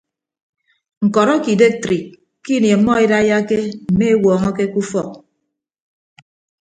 Ñkọrọ ake idektrik ke ini ọmmọ edaiyake mme ewuọñọke ke ufọk.